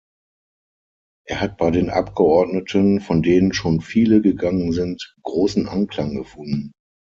Er hat bei den Abgeordneten, von denen schon viele gegangen sind, großen Anklang gefunden.